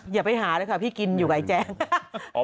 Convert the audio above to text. อย่าไปหาเลยค่ะพี่กินอยู่กับไอแจง